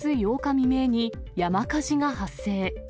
未明に、山火事が発生。